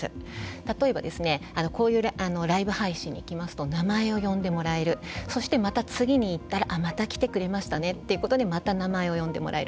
例えばこういうライブ配信に行きますと名前を呼んでもらえるそしてまた次に行ったらまた来てくれましたねということでまた名前を呼んでもらえる。